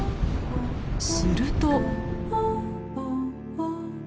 すると。